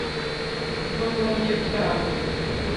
Ubwo mbonye icyo cyago